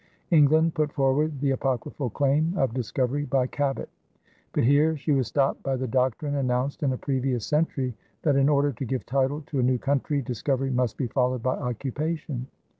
England put forward the apocryphal claim of discovery by Cabot; but here she was stopped by the doctrine announced in a previous century that in order to give title to a new country, discovery must be followed by occupation.